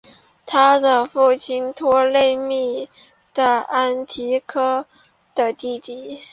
他的父亲托勒密是安提柯的弟弟。